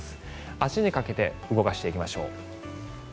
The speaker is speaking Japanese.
明日にかけて動かしてきましょう。